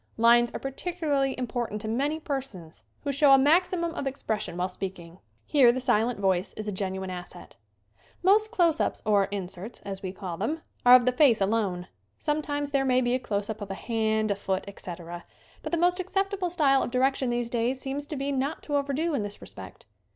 Lines are particularly important to many persons who show a maximum of expression 98 SCREEN ACTING while speaking. Here the silent voice is a gen uine asset. Most close ups, or inserts, as we call them, are of the face alone. Sometimes there may be a close up of a hand, a foot, etc., but the most acceptable style of direction these days seems to be not to overdo in this respect.